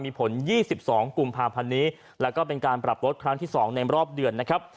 มีผล๒๒กพนและก็เป็นการปรับรถครั้งที่๒ในรอบเดือนนะครับ